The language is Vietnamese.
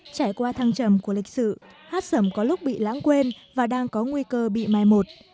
trải qua thăng trầm của lịch sử hát sẩm có lúc bị lãng quên và đang có nguy cơ bị mai một